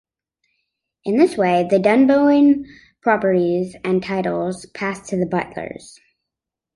In this way, the Dunboyne properties and titles passed to the Butlers.